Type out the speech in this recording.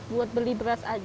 buat beli beras aja